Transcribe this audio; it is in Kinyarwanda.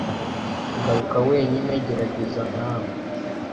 Garuka wenyine gerageza nka we